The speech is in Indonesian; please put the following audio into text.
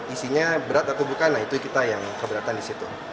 isinya berat atau bukan nah itu kita yang keberatan di situ